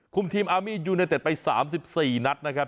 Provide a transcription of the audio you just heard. คุมทีมอาร์มียูไนเต็ตไป๓๔นัดนะครับ